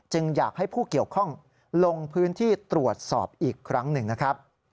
อยากให้ผู้เกี่ยวข้องลงพื้นที่ตรวจสอบอีกครั้งหนึ่งนะครับ